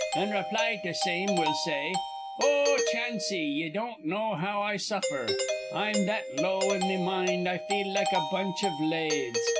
In reply to same will say: Oh, Chanse, ye don't know how I suffer. I'm that low in me mind I feel like a bunch iv lathes.